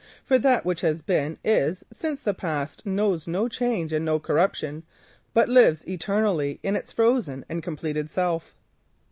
For that which has been, is, since the past knows no corruption, but lives eternally in its frozen and completed self.